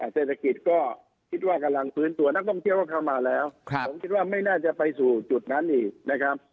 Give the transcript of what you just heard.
เศรษฐกิจก็คิดว่ากำลังฟื้นตัวนักท่องเที่ยวก็เข้ามาแล้วผมคิดว่าไม่น่าจะไปสู่จุดนั้นอีกนะครับ